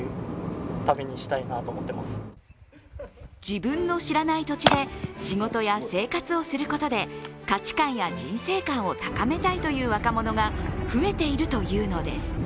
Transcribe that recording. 自分の知らない土地で仕事や生活をすることで価値観や人生観を高めたいという若者が増えているというのです。